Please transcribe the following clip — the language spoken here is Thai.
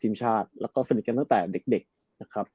ทีมชาติแล้วก็สนิทกันตั้งแต่เด็กนะครับ